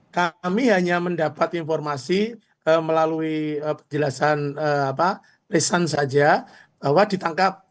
kami hanya mendapat informasi melalui penjelasan lisan saja bahwa ditangkap